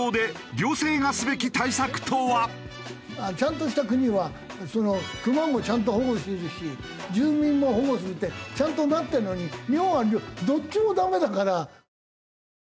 ちゃんとした国はクマもちゃんと保護するし住民も保護するってちゃんとなってるのに日本はどっちもダメだから。